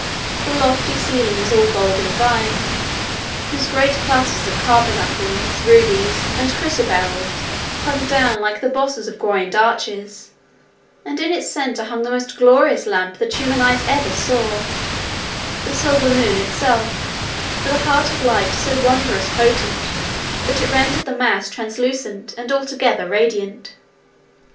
The lofty ceiling was all a golden vine, Whose great clusters of carbuncles, rubies, and chrysoberyls hung down like the bosses of groined arches, and in its centre hung the most glorious lamp that human eyes ever saw the Silver Moon itself, a globe of silver, as it seemed, with a heart of light so wondrous potent that it rendered the mass translucent, and altogether radiant.